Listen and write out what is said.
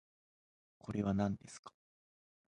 これはなんですか？